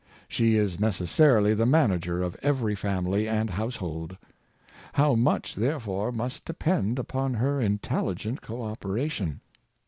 She is necessarily the manager of every family and household. How much, therefore, must depend upon her intelligent co operation!